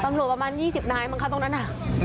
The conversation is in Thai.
สำหรับประมาณ๒๐นายตรงนั้นน่ะ